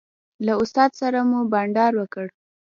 له استاد سره مو بانډار وکړ.